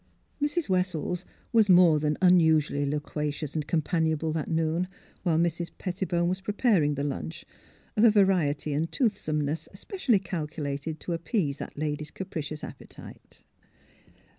... Mrs. Wessels was more than unusually loqua cious and companionable that noon, while Mrs. Pettibone was preparing the lunch, of a variety and toothsomeness especially calculated to ap pease that lady's capricious appetite.